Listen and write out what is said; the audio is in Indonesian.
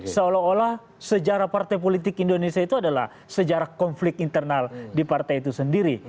seolah olah sejarah partai politik indonesia itu adalah sejarah konflik internal di partai itu sendiri